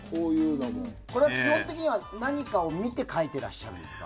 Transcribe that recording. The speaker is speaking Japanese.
これは基本的には何かを見て描いてらっしゃるんですか？